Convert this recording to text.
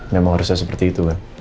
nggak usah seperti itu kan